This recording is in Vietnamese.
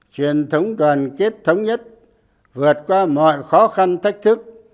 truyền thống đoàn kết thống nhất vượt qua mọi khó khăn thách thức